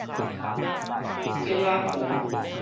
莿仔埒